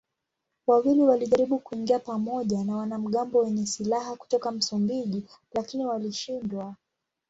Wawili walijaribu kuingia pamoja na wanamgambo wenye silaha kutoka Msumbiji lakini walishindwa.